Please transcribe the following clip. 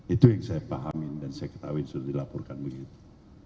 itu yang saya pahamin dan saya ketahui sudah dilaporkan begitu